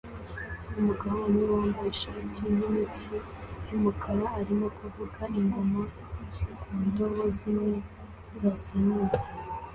Umugabo umwe wambaye ishati yimitsi yumukara arimo kuvuza ingoma ku ndobo zimwe zasenyutse